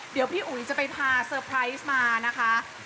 เดี๋ยวพี่อุ๋ยจะไปพาเซอร์ไพรส์มานะคะ